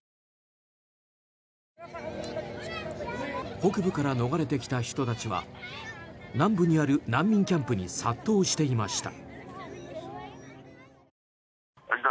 北部から逃れてきた人たちは南部にある難民キャンプに殺到していました。